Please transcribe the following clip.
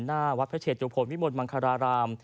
หน้าวัดพระเชตุพลวิมลมังคาราราม